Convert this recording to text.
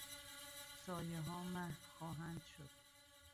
سایهها محو خواهند شد.